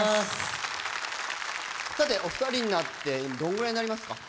お二人になってどのぐらいになりますか？